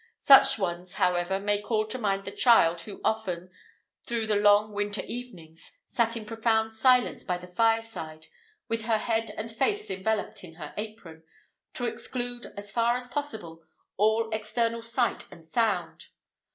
Such ones, however, may call to mind the child who often, through the long winter evenings, sat in profound silence by the fireside, with her head and face enveloped in her apron, to exclude, as far as possible, all external sight and sound.